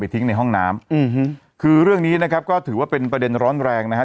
ทิ้งในห้องน้ำอืมคือเรื่องนี้นะครับก็ถือว่าเป็นประเด็นร้อนแรงนะฮะ